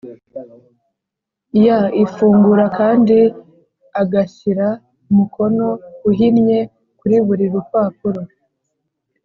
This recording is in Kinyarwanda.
Y ifungura kandi agashyira umukono uhinnye kuri buri rupapuro